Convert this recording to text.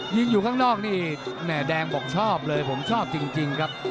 อยู่ข้างนอกนี่แม่แดงบอกชอบเลยผมชอบจริงครับ